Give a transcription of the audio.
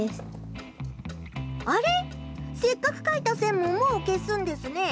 せっかく書いた線ももう消すんですね。